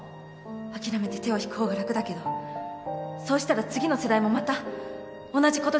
諦めて手を引く方が楽だけどそうしたら次の世代もまた同じことで苦しむことになる